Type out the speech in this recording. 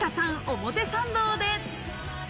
表参道で。